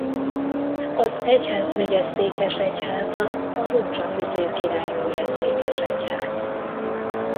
Az egyházmegye székesegyháza a Rózsafüzér királynője-székesegyház.